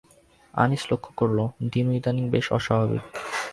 আনিস লক্ষ্য করল, দিনু ইদানীং বেশ অস্বাভাবিক।